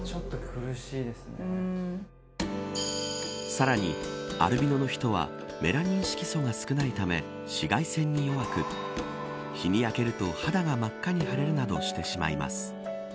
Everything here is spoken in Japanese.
さらに、アルビノの人はメラニン色素が少ないため紫外線に弱く日に焼けると肌が真っ赤に腫れるなどしてしまいます。